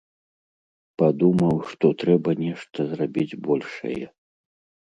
Падумаў, што трэба нешта зрабіць большае.